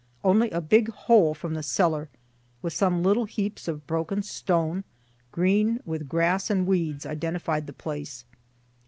Only a big hole from the cellar, with some little heaps of broken stone, green with grass and weeds, identified the place.